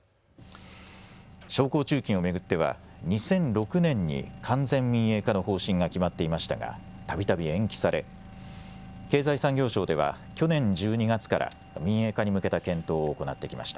商工中金を巡っては２００６年に完全民営化の方針が決まっていましたが、たびたび延期され経済産業省では去年１２月から民営化に向けた検討を行ってきました。